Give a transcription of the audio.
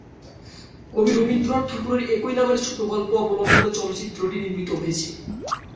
কবি রবীন্দ্রনাথ ঠাকুরের একই নামের ছোটগল্প অবলম্বনে চলচ্চিত্রটি নির্মিত হয়েছে।